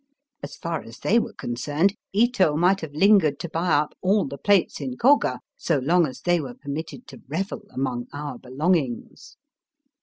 As far as they were concerned, Ito might have lingered to buy up all the plates in Koga so long as they were permitted to revel among our belongings.